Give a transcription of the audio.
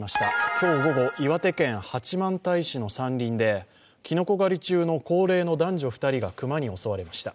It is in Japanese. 今日午後、岩手県八幡平市の山林できのこ狩り中の高齢の男女２人が熊に襲われました。